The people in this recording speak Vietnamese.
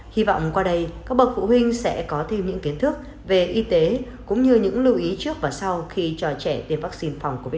hy vọng qua đây các bậc phụ huynh sẽ có thêm những kiến thức về y tế cũng như những lưu ý trước và sau khi cho trẻ tiêm vaccine phòng covid một mươi chín